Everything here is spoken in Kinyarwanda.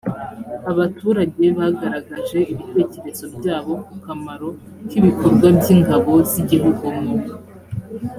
abaturage bagaragaje ibitekerezo byabo ku kamaro k ibikorwa by ingabo z igihugu mu